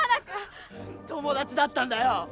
友達だったんだよ！